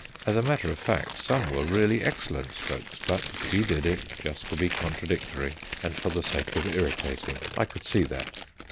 As a matter of fact, some were really excellent strokes; but she did it just to be contradictory, and for the sake of irritating. I could see that.